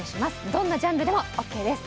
どんなジャンルでもオーケーです。